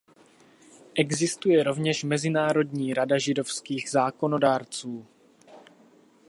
Existuje rovněž Mezinárodní rada židovských zákonodárců.